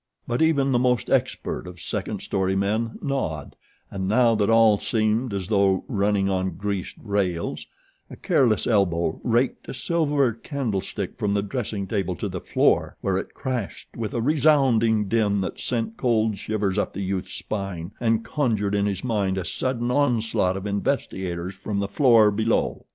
But even the most expert of second story men nod and now that all seemed as though running on greased rails a careless elbow raked a silver candle stick from the dressing table to the floor where it crashed with a resounding din that sent cold shivers up the youth's spine and conjured in his mind a sudden onslaught of investigators from the floor below.